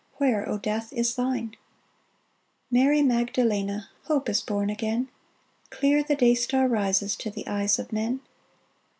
Where, O Death, is thine ? Mary Magdalen^, Hope is born again ; Clear the Day star rises To the eyes of men.